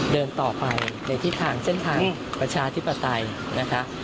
เดินต่อไปในทิศทางเส้นทางประชาธิปไตยนะคะ